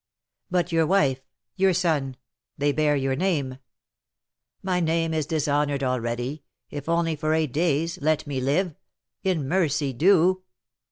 "But your wife your son they bear your name " "My name is dishonoured already. If only for eight days, let me live! in mercy do!"